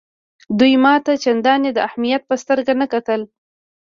دوی ما ته چنداني د اهمیت په سترګه نه کتل.